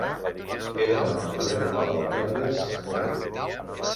He d'anar al carrer de Palaudàries amb moto.